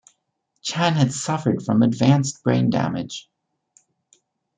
Chan had suffered from advanced brain damage.